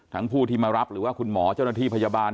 ผู้ที่มารับหรือว่าคุณหมอเจ้าหน้าที่พยาบาล